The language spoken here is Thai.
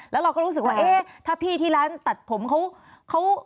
แล้วเราก็รู้สึกว่าเอ๊ะถ้าพี่ที่ร้านตัดผมเขา